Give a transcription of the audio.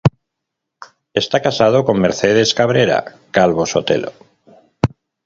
Está casado con Mercedes Cabrera Calvo Sotelo.